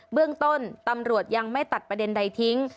เบื้องต้นตำรวจยังไม่ตัดประเด็นใดทิ้ง